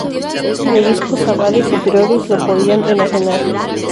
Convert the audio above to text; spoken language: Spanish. Ni obispos, abades y priores los podían enajenar.